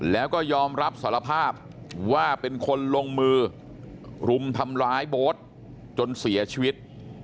แล้วก็ยอมรับสารภาพว่าเป็นคนลงมือรุมทำร้ายโบ๊ทจนเสียชีวิต